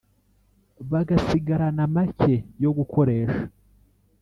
bagasigarana make yo gukoresha